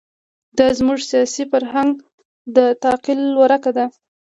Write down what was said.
دا زموږ د سیاسي فرهنګ د تعقل ورکه ده.